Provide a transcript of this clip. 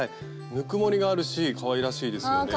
ぬくもりがあるしかわいらしいですよね。